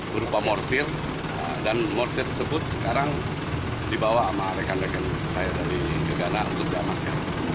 berupa mortir dan mortir tersebut sekarang dibawa sama rekan rekan saya dari gegana untuk diamankan